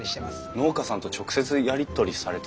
農家さんと直接やり取りされてるんですか？